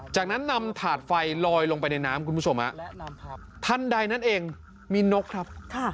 จากนั้นนำถาดไฟลอยลงไปในน้ำคุณผู้ชมทันใดนั่นเองมีนกครับ